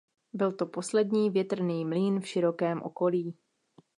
Byl to poslední větrný mlýn v širokém okolí.